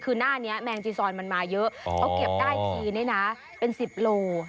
คือหน้านี้แมงจีซอนมันมาเยอะเขาเก็บได้ทีนี้เป็น๑๐โล